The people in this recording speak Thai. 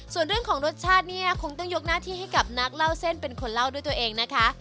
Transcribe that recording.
ส่วนเรื่องของรสชาติเนี่ยคงต้องยกหน้าที่ให้กับนักเล่าเส้นเป็นคนเล่าด้วยตัวเองนะคะ